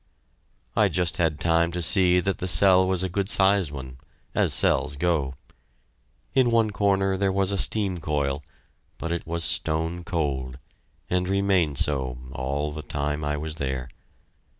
I just had time to see that the cell was a good sized one as cells go. In one corner there was a steam coil, but it was stone cold, and remained so all the time I was there.